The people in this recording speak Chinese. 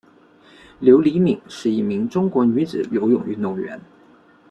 刘黎敏是一名中国女子游泳运动员。